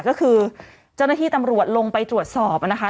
ก็คือเจ้าหน้าที่ตำรวจลงไปตรวจสอบนะคะ